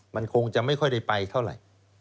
มันคงจะไม่ค่อยได้ไปเท่าไหร่